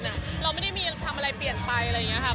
เราไม่ได้มีทำอะไรเปลี่ยนไปอะไรอย่างนี้ค่ะ